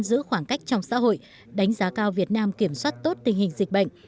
giữ khoảng cách trong xã hội đánh giá cao việt nam kiểm soát tốt tình hình dịch bệnh